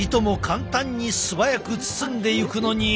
簡単に素早く包んでいくのに。